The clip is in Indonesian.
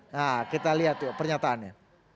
nah kita lihat yuk pernyataannya